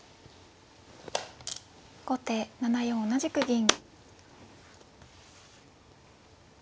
後手７四同じく銀。